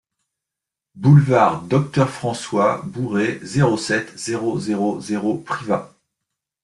Boulevard Docteur François Bourret, zéro sept, zéro zéro zéro Privas